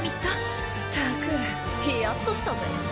ったくヒヤっとしたぜ。